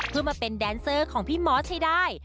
เพื่อมาเป็นแดนเซอร์ของพี่มอสให้ได้